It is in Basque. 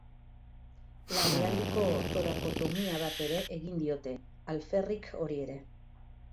Larrialdiko torakotomia bat ere egin diote, alferrik hori ere.